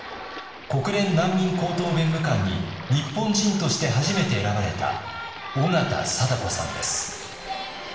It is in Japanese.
国連難民高等弁務官に日本人として初めて選ばれた緒方貞子さんです。